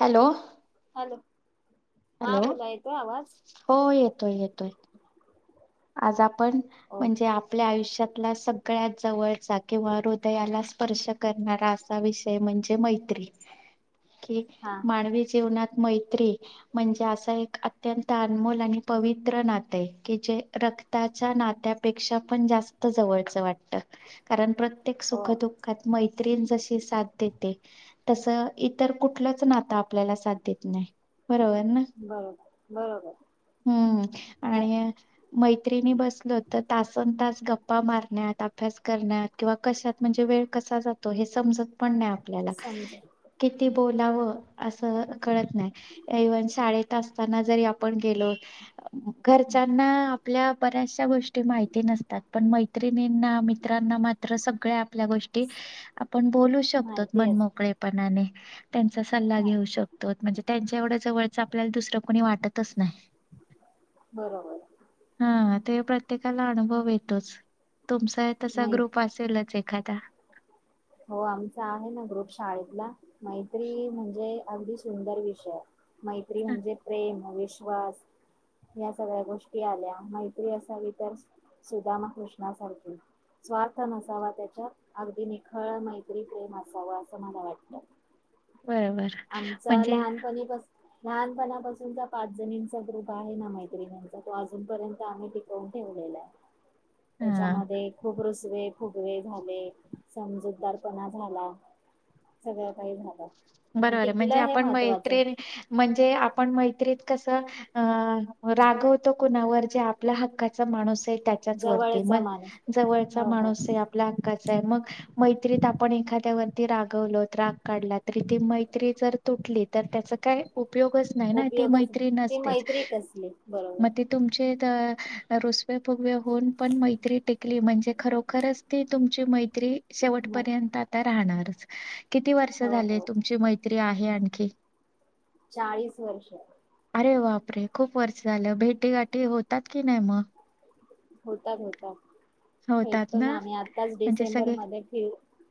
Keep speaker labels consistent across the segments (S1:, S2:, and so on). S1: Hello
S2: hello हा
S1: hello
S2: बोला येतोय आवाज
S1: हो येतोय येतोय आज आपण
S2: ओके
S1: म्हणजे आपल्या आयुष्यात त्यातला सगळ्यात जवळचा किंवा हृदयाला स्पर्श करणारा असा विषय म्हणजे मैत्री कि
S2: हा हा
S1: मानवी जीवनात मैत्री म्हणजे असं एक अत्यंत अनमोल आणि पवित्र नात आहे की जे रक्ताच्या नात्यापेक्षा पण जास्त जवळचं वाटतं कारण प्रत्येक
S2: हो
S1: सुखदुःखात मैत त्रीण जशी साथ देते तस इतर कुठलंच नातं आपल्याला साथ देत नाही बरोबर ना
S2: बरोबर बरोबर.
S1: हुं हुं
S2: नाही
S1: आणि मैत्रिणी बसलो तर तासन तास गप्पा मारण्यात अभ्यास करण्यात किंवा कशात म्हणजे वेळ कसा जातो हे समजत पण नाय आप ल्याला
S2: समजा
S1: किती बोलांव अस त कळत नाय येवन शाळेत असताना जरी आपण गेलो घरच्यांना आप आपल्या बऱ्याचशा गोष्टी माहिती नसतात पण मै त्रिनी ना मित मित्रांना मात्र सगळ्या आपल्या गोष्टी आपण बोलू शकतो
S2: माहिती असते
S1: मनमोकळेपणाने. त्यांचा सल्ला
S2: हा
S1: घेऊ शकतोत म्हणजे त्यांच्या एवढ्या जवळ त आपल्याला दुसरं कोणी वाटतच नाही.
S2: बरोबर.
S1: हा ते प्रत्येकाला अनुभव येतोच. तुमचा ही तसा
S2: माहि
S1: ग्रुप असेलच एक खादा.
S2: हो आमचा आहे ना ग्रुप शाळेतला मैत्री म्हणजे अगदी सुंदर विषय आहे. मैत्री
S1: हं,
S2: म्हणजे प्रेम या सगळ्या गोष्टी आल्या मैत्री असावी तर सुदामा कृष्णासारखी स्वार्थ नसावा त्याच्या अगदी खरं मैत्री प्रेम असावं असं मला वाटत.
S1: बरोबर म्हणजे
S2: पास लहानपणापासूनचा पाच जणींचा ग्रुप आहे ना मैत्रिणींचा तो अजूनपर्यंत आम्ही टिकवून ठेवलेला आहे.
S1: हा
S2: त्याच्यामध्ये खूप रुस फजवे फुगवे झाले. समजूतदारपणा झाला सगळं काही झालं.
S1: बरोबर
S2: पण
S1: आहे म्हणजे
S2: टिकलं हे
S1: आपण
S2: महत्त्वाचं
S1: मैत्री म्हणजे आपण मैत्रीत कस राग होत. कोणावर जे आपला हक्काचा माणूस त्याच्यावरती
S2: जवळचा माणूस
S1: म्हणजे जवळचा
S2: हो हो
S1: माणूस आपला मग मैत्रीत आपण एखाद्या वती रागवलो राग काढला. त ती मैत्री जर तुटली तर त्याच काय उपयोगच नाही ना ती
S2: उपयोगच
S1: मैत्री
S2: ती
S1: नसतेच
S2: मैत्री कसली बरोबर
S1: मग ते तुमचे रुसव्या फुगव्या होऊन पण मैत्री टकाली म्हणजे खरोखरच ती तुमची म
S2: मै-
S1: शेवटपर्यंत आता राहणारच. किती वर्ष
S2: हो हो
S1: झालेत, मैत्री आहे आणखी
S2: चाळीस वर्ष
S1: अरे बापरे खूप वर्ष झालं भेटी गाठी होतात की नाही मग?
S2: होतात होतात भेटतो ना आम्ही आताच
S1: म्हणजे
S2: डिसेंबर
S1: सगळे
S2: मध्ये फि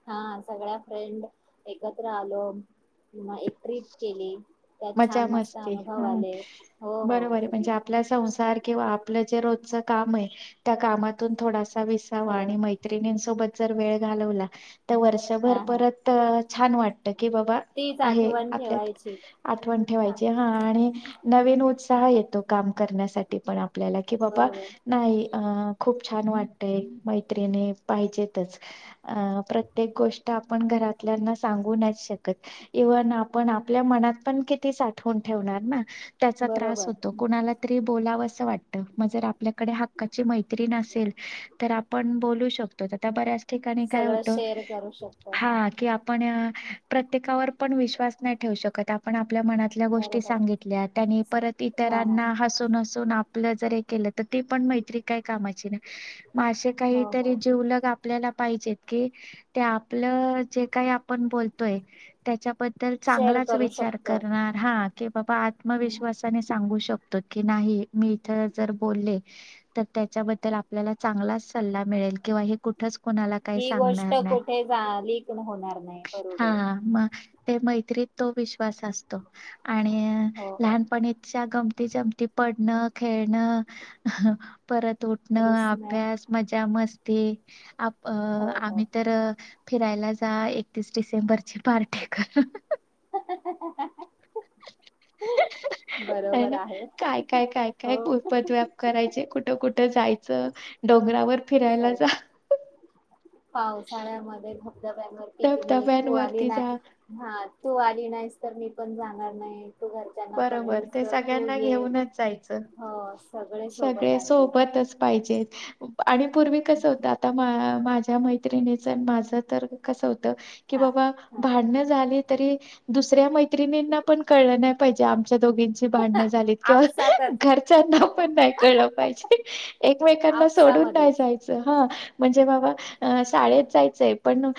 S2: हा सगळ्या फ्रेंड एकत्र आलो किंवा एक ट्रिप केली, त्यात
S1: मजा
S2: छान मस्त
S1: मस्ती
S2: अनुभव
S1: ह
S2: आले हो हो
S1: बरोबर आहे
S2: अगदी
S1: म्हणजे आपला संसार किंवा आपलं जे रोजच काम आहे त्या कामातून थोड विसावा
S2: थोडं
S1: आणि मैत्रिणीं सोबत जर वेळ घालवला, तर वर्षभर
S2: हा हा
S1: परत छान वाटतं. क बाबा
S2: तीच
S1: आहे
S2: आठवण
S1: आपल्यात
S2: ठेवायची
S1: आठव
S2: हा
S1: ठेवायची ह नविनंती उत्साह येत काम करण्यासाठी पण, आपल्याला की बाबा
S2: बरोबर
S1: नाही, अ खूप छान वाटतय मैत्र्रीिणी पाहिजेतच अ प्रत्येक गोष्ट आपण घरातल्यांना सांगून शकत इव्हन आपण आपल्या मनात पण किती साठवून ठेवणार ना? त्याचा त्रास
S2: बरोबर
S1: होतो कुणाला तरी बोलाव वाटत मग जर आपल्याकडे हक्काची मैतरीन असेल तर आपण बोलू शकतो बऱ्या ठिकाणी काय
S2: सगळं
S1: होत,
S2: शेअर करू शकतो
S1: हा की आपण प्रत्येकावर पण विश्वास नाही ठेवू शकत पण आपल्या मनातल्या गोष्टी
S2: बरोबर
S1: सांगितल्या त्यांनी परत
S2: हा हा
S1: इतरांना हसून आपलं जर हे केलं तर ते पण मैत्री काय कामा मग असे
S2: हो
S1: काहीतरी
S2: हो
S1: जीवलग आपल्याला आपलं जे काही आपण बोलतोय त्याच्याबद्ल तर
S2: शेअर
S1: चांगलाच
S2: करू
S1: विचार
S2: शकतो
S1: करणार हात बाबा
S2: हम्म.
S1: आत्मविश्वासाने सांगू शकत नाही मी इथ जर बले तर त्याच्याबद्दल आपल्याला चांगला सल्ला मिळेल किंवा हे कुठ
S2: ही गोष्ट कुठे झाली होणार नाही
S1: हा
S2: बरोबर
S1: मग ते मैत्रीत तो विश् विस असतो आणि
S2: हो हो
S1: लहानपणीच गमती जमती पडणं खेळणं परत उठणं
S2: रुसण्या
S1: अभ्यास मजा मस्त ते आप अ
S2: हो
S1: आम्ही
S2: हो
S1: तर फिरायला जा एकतीस डिसेंबरची पार्टी कर
S2: बरोबर
S1: ना
S2: आहे
S1: काय काय काय काय
S2: हो
S1: कुरपत व्याप करायचे कुठं कुठं जायच डोंगरावर फिरायला जा
S2: पावसाळ्यामध्ये दब्यावर पिकनिक तू आली
S1: धबधब्यांवरती जा
S2: नाही हा तू आली नाही तर मी पण जाणार नाही तू घरच्यांना
S1: बरोबर
S2: कन्व्हिन्स
S1: ते
S2: कर तू
S1: सगळ्यांना
S2: ये
S1: घेऊनच जायचं
S2: हो सोबत
S1: सगळे
S2: अगदी
S1: सोबतच पाहिजेत आणि पूर्वी कसं होतं आता माझ्या मैत्रिणीच माझ तर कसं होत की
S2: हा
S1: बाबा
S2: हा
S1: भांडण झाली तरी दुसऱ्या मैत्रिणींना पण कळल नाही पहिजे आमच्या दोघींची भांडणं झालीत किंवा
S2: आपसातच
S1: घरच्यांना पण नाही कळलं पाहिजे एकमेकांना सोडून नाही
S2: आपसामध्येच
S1: जायचं हा म्हणजे बाबा अ शाळेत जायचंय पण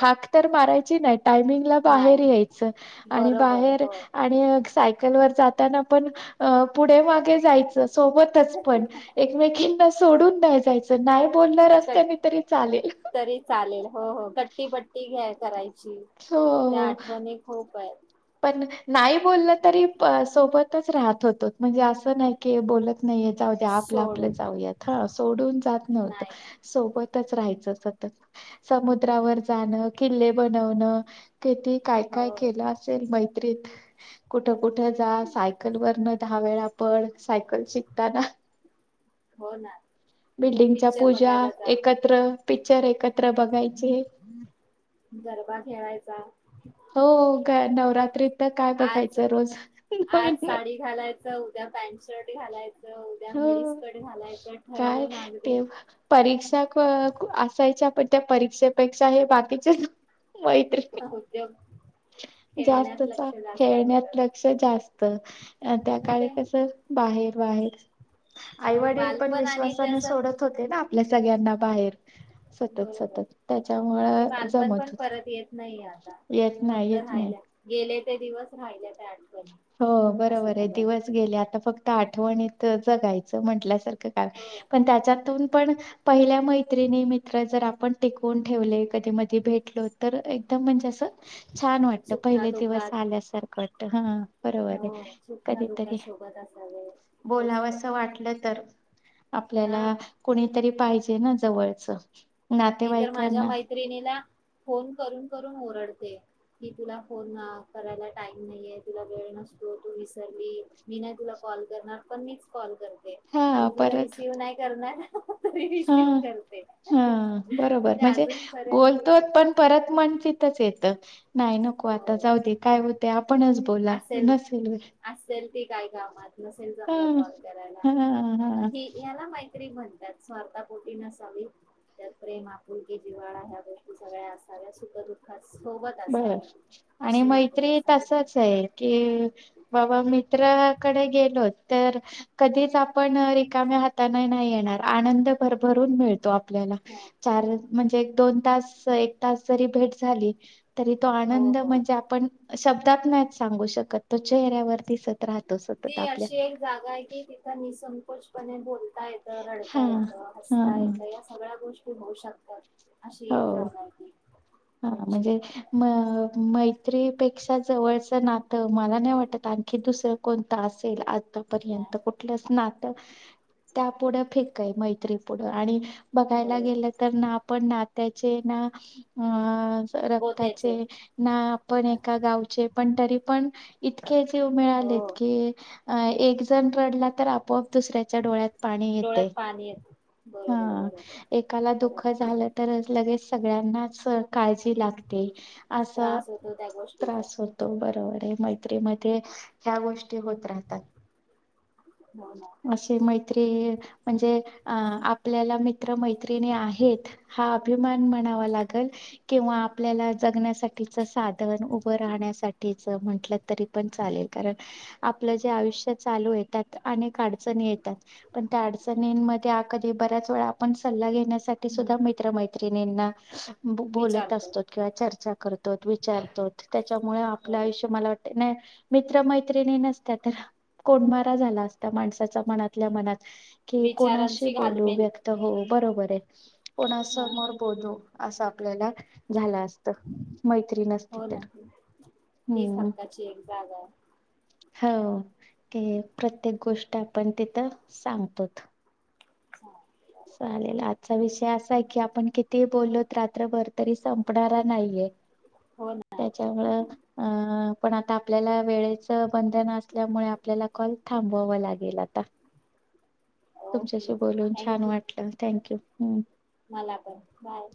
S1: हाक तर मारायची नाही टायमिंगला बाहेर
S2: नाही
S1: यायचं आणि
S2: बरोबर
S1: बाहेर
S2: हो
S1: आणि जातना पण पुढे मागे जायचं सोबतच पण एकमेकीना सोडून नाय जायचं नाही बोलणार असते
S2: कट
S1: मी तरी चालेल
S2: करायच
S1: हो
S2: त्या
S1: हो
S2: आठवणी खूप आहेत!
S1: नाही बोल तरी सोबतच राहत होतो म्हणजे अस नाही बो लत नाही जाऊ आपलं आपलं
S2: सोडून
S1: जाऊयात ह सोडून जात नव्हत
S2: नाही
S1: सोबत राहायचं सतत समुद्रावर जाणं किल्ले बनवण किती काय काय
S2: हो
S1: केल असेल मैत्रीत कुठ कुठ जा सायकल वरन दहा वेळा पड सायकल शिकताना
S2: हो ना मग
S1: बिल्डिंगच्या
S2: पिक्चर
S1: पूजा
S2: बघायला जा
S1: एकत्र पिकच्चर एकत्र बघायचे.
S2: गरबा खेळायचा?
S1: हो नवरात्रीत आता काय
S2: आज
S1: बघायचं रोज नवीन
S2: आज
S1: नवीन
S2: साडी घालायचं उद्या पॅनट शर्ट घालाय
S1: हो काय
S2: ठरवून अगदी
S1: तेव्हा परीक्षक असायच्या पण त्या परीक्षेपेक्षा हे बाकीचे मैत्रिणी
S2: उद्योग खेळण्यात
S1: जास्तचा
S2: लक्ष जास्त होत
S1: खेळण्यात लक्ष जास्त त अ त्या
S2: पण
S1: काळी
S2: ते
S1: कस बाहेर बाहेर आई
S2: हा
S1: वडील पण
S2: बालपण आणि
S1: विश्वासाने
S2: त्याच
S1: सोडत होते ना आपल्या सगळ्यांना बाहेर सतत
S2: बरोबर
S1: सतत
S2: ते
S1: त्याच्यामुळ
S2: बालपण
S1: जमत
S2: पण
S1: होत
S2: परत येत नाही आता
S1: येत नाही
S2: फक्त
S1: येत नाही.
S2: राहिल्या गेले ते दिवस राहिल्या त्या आठवणी
S1: हो
S2: असं
S1: बरोबर आहे
S2: झालं
S1: दिवस गेले आता फक्त त्या आठवणीत जगायचं म्हटल्यासारखं का
S2: हो
S1: पण त्याच्यातून पण पहिल्या मैत्रिणी मित्र जर आपण टिकून ठेवले कधी मधी भेटलो तर एकदम म्हणजे अस छान वाटत
S2: सुखा
S1: पहिले दिवस
S2: दुखात
S1: आल्यासारखं वाटत. हा. बरोबर आहे
S2: हो सुखा दुखात
S1: कधीतरी
S2: सोबत असावे तेच
S1: बोलावं
S2: तर
S1: असं वाटलं तर,
S2: हा
S1: आपल्याला कुणीतरी पाहिजे. ते ना जवळचं.
S2: मी तर माझ्या
S1: नातेवाईकांना
S2: मैत्रिणीला फोन करून करून ओरडते की तुला फोन करायला टाईम नाहीे, तुला वेळ नसतो, तू विसरली मी नाही तुला कॉल करणार पण मीच कॉल करते.
S1: हां
S2: आणि तुझा
S1: परत
S2: रिसीव्ह नाही करणार तरी रिसीव्ह
S1: हां
S2: करते.
S1: हा बरोबर म्हणजे बोलतोच पण परत म्हण तिथंच येत. नाही नको
S2: हो
S1: आता जाऊ दे काय होते आपणच बोला नसेल व
S2: ते काय कामात नसेल जमलं कॉल करायला
S1: हा हा
S2: हे याला माहिती म्हणतात स्वार्था पोटी नसावी त्यात प्रेम आपुलकी जिवा्हाळा ह्या गोष्टी सगळ्या असाव्या सुखदुख सोबत
S1: बर
S2: असावे.
S1: आणि मैत्री तसच आहे की बाबा मित्राकडे गेलो तर कधीच आपण रिकाम्या हाताने नाही येणार आनंद भरभरून मिळतो. आपल्याला
S2: हो
S1: चार म्हणजे दोन तास एक तास जरी भेट झाली तरी तो
S2: हो
S1: आनंद
S2: हो
S1: म्हणजे आपण शब्दात नाहीच सांगू शकत तो चेहऱ्यावरती दिसत राहतो सतत
S2: ती
S1: आपल्या
S2: अशी एक जागा आहे की तिथं निसंतोषपणे बोलता येत,
S1: हा
S2: रडता येत,
S1: हा
S2: हसता येत या सगळ्या गोष्टी ते होऊ शकतात अशी
S1: हो
S2: एक जागा आहे ती
S1: हा म्हणजे म मैत्रीपेक्ष जवळचं नातं मला नाही वाटत आणखी दुसरं कोणत अस आतापर्यंत
S2: नाही,
S1: कुठल्याच नात त्यापुढे फेकाय माहिती पुढ आणि बघायला
S2: बरोबर
S1: गेलं तर ना आपण ना त्याचे ना अ रक्ताचे
S2: गोत्याचे
S1: ना आपण
S2: हा,
S1: एका गावचे पण तरी पण इत जव
S2: हो
S1: मिळालेत की अ एक जण रडला तर आपोआप दुसऱ्याच्या डोळ्यात पाणी
S2: डोळ्यात
S1: येते
S2: पाणी येत
S1: हा
S2: बरोबर बरोबर
S1: एकाला
S2: खरं
S1: दुःख झालं तरच लगेच सगळ्यांनाच काळजी अस
S2: त्रास होतो त्या गोष्टीचा
S1: त्रास होतो बरोबर हाय मैत्री मध्ये या गोष्टी होत राहतात
S2: हो ना
S1: अशी मैत्री म्हणजे आप म मित्र मैत्रिणी आहेत हा अभिमा मान म्हणावा लागेल किंवा आपल्या ज साधन उभं राहण्यासाठी म्हट. तरी पण चालेल कारण आपलं जे आयुष्य चालू येतात अनेक अडचणी येतात पण त्या अडचणींमध्ये अ ते बऱ्याच वेळा आपण सल्ला घेण्या. साठी
S2: हम्म
S1: सुद्धा मित्र मैत्रि निना
S2: विचार
S1: बोलत
S2: कर
S1: असतो किंवा चर्चा करत. विचारतो. त्याच्यामुळे आपलं
S2: बरोबर.
S1: आयुष्य मला वाट नाही. मित्र मैत्रिणी नसत तर कोंनमारा झाला असता माणसाच्या मनातल्या मनात
S2: विचारां
S1: बोलो व्यक्त हो. बरोबर आहे. पुणा
S2: हा
S1: समोर बोलू. असं आपल्याला झालं अस.
S2: हो ना तीस
S1: हम्म
S2: हक्काची एक जागा हाय.
S1: हो ते प्रत्येक गोष्ट आपण तिथं सांगतो.
S2: हा,
S1: चालेल आजचा विषय असा आहे की आपण किती बोललोत रात्रभर तरी संपणारा नाहीये.
S2: हो ना
S1: त्याच्यामुं अं पण आता आपल्याला वेळेच बंधन असल्यामुळे आपल्याला कॉल थांबवाव लागेल आता
S2: ओके
S1: तुमच्याशी बोलून छान
S2: थँक्यू
S1: वाटलं थँक्यू. हम्.
S2: मला पण बाय.